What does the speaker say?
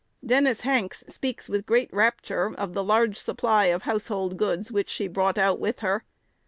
Dennis Hanks speaks with great rapture of the "large supply of household goods" which she brought out with her.